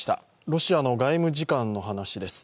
ロシアの外務次官の話です。